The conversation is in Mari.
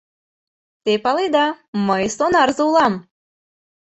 — Те паледа: мый сонарзе улам.